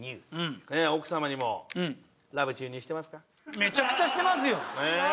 めちゃくちゃしてますよ！